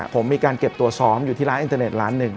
ผมมีการเก็บตัวซ้อมอยู่ที่ร้านอินเทอร์เน็ตร้านหนึ่ง